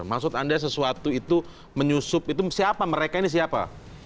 maksud anda sesuatu itu menyusup itu siapa mereka ini siapa